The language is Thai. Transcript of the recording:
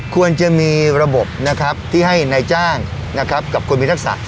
ควรจะมีระบบนะครับที่ให้นายจ้างนะครับกับคนมีทักษะ